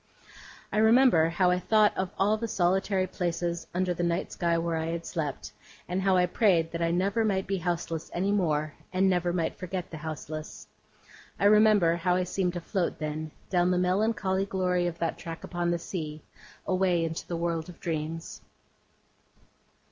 I remember how I thought of all the solitary places under the night sky where I had slept, and how I prayed that I never might be houseless any more, and never might forget the houseless. I remember how I seemed to float, then, down the melancholy glory of that track upon the sea, away into the world of dreams.